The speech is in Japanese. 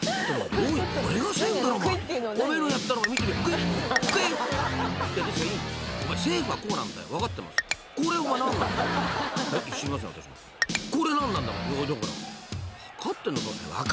お前分かってんのか？